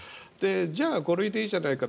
じゃあ、５類でいいじゃないか。